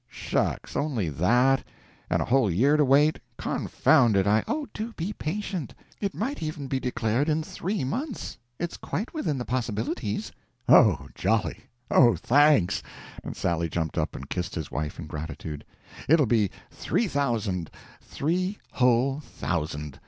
"Shucks, only that and a whole year to wait! Confound it, I " "Oh, do be patient! It might even be declared in three months it's quite within the possibilities." "Oh, jolly! oh, thanks!" and Sally jumped up and kissed his wife in gratitude. "It'll be three thousand three whole thousand!